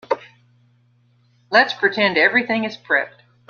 Let's pretend everything is prepped.